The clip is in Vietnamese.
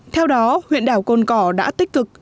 theo đó huyện đảo côn cỏ đã tích cực